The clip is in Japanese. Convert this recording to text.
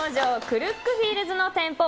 クルックフィールズの店舗